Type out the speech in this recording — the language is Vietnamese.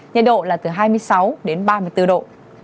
nhiệt độ là từ hai mươi sáu đến ba mươi bốn độ